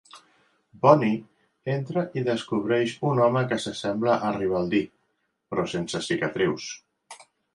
Bonnie entra i descobreix un home que s'assembla a Ribaldí, però sense cicatrius.